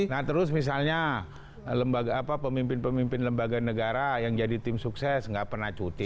nah terus misalnya pemimpin pemimpin lembaga negara yang jadi tim sukses nggak pernah cuti